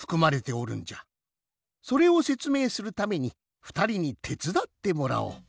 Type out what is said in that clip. それをせつめいするためにふたりにてつだってもらおう。